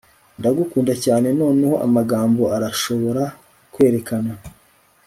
Ndagukunda cyane noneho amagambo arashobora kwerekana